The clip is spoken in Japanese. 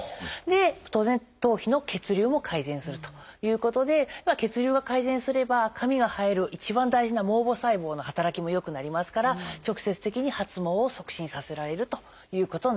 で当然頭皮の血流も改善するということで血流が改善すれば髪が生える一番大事な毛母細胞の働きも良くなりますから直接的に発毛を促進させられるということになっていますね。